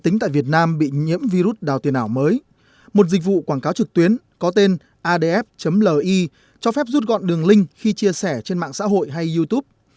nhiều người ở việt nam bị nhiễm virus đào tiền ảo mới một dịch vụ quảng cáo trực tuyến có tên adf ly cho phép rút gọn đường link khi chia sẻ trên mạng xã hội hay youtube